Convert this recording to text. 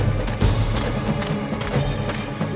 tidak tinggalkan aku